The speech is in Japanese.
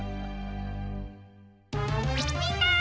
みんな！